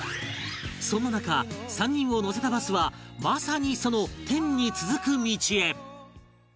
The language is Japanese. その中３人を乗せたバスはまさにその天に続く道へ